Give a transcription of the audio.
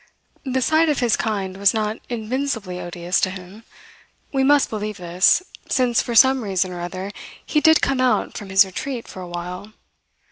The sight of his land was not invincibly odious to him. We must believe this, since for some reason or other he did come out from his retreat for a while.